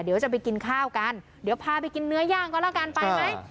เดี๋ยวจะไปกินข้าวกันเดี๋ยวพาไปกินเนื้อย่างก็แล้วกันไปไหม